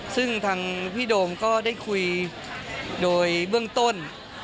ซึ่งทางพี่โดมก็ได้คุยโดยเบื้องต้น